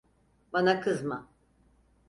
Bana kızma!